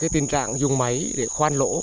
tình trạng dùng máy để khoan lỗ